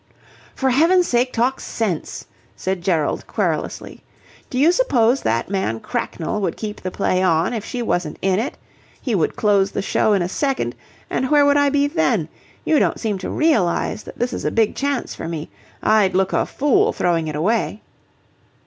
"For heaven's sake talk sense," said Gerald querulously. "Do you suppose that man Cracknell would keep the play on if she wasn't in it? He would close the show in a second, and where would I be then? You don't seem to realize that this is a big chance for me. I'd look a fool throwing it away."